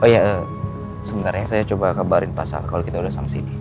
oh iya sebentarnya saya coba kabarin pasal kalo kita udah sama sini